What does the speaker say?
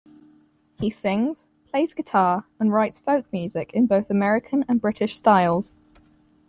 He sings, plays guitar, and writes folk music in both American and British styles.